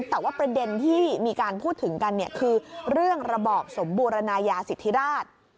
แต่ว่าประเด็นที่มีการพูดถึงกันคือเรื่องระบอบสมบูรณายาสิทธิราช